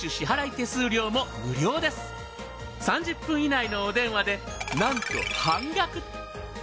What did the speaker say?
３０分以内のお電話でなんと半額。